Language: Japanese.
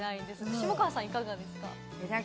下川さん、いかがですか？